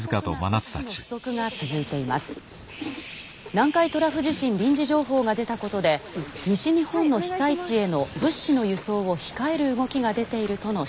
南海トラフ地震臨時情報が出たことで西日本の被災地への物資の輸送を控える動きが出ているとの指摘もあります」。